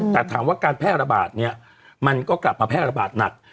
แต่ถามว่าการแพร่ระบาดเนี่ยมันก็กลับมาแพร่ระบาดหนัก